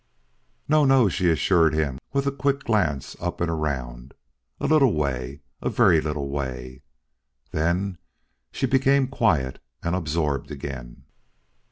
"No, no," she assured him with a quick glance up and around her. "A little way, a very little way!" Then she became quiet and absorbed again.